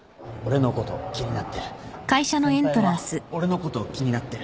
俺のこと気になってる。